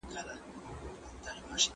د قیامت لپاره رڼا له اوسه برابره کړه.